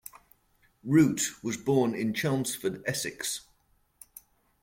Root was born in Chelmsford, Essex.